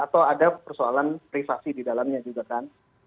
atau ada persoalan privasi di dalamnya juga kan